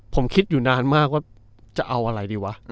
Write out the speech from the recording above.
ผมคิดอยู่นานมากว่าจะเอาอะไรดีวะ